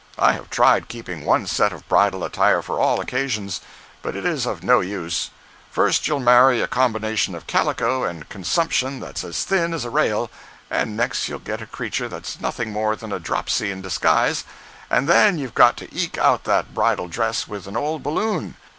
I have tried keeping one set of bridal attire for all occasions. But it is of no use. First you'll marry a combination of calico and consumption that's as thin as a rail, and next you'll get a creature that's nothing more than the dropsy in disguise, and then you've got to eke out that bridal dress with an old balloon.